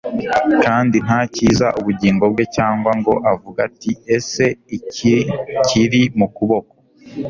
kandi ntakiza ubugingo bwe cyangwa ngo avuge ati ese iki kiri mu kuboko